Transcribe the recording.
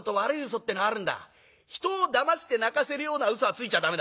人をだまして泣かせるようなうそはついちゃダメだ。